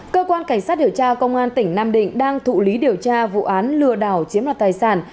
cơ quan cảnh sát điều tra công an tỉnh nam định đang thụ lý điều tra vụ án lừa đảo chiếm đoạt tài sản